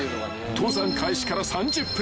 ［登山開始から３０分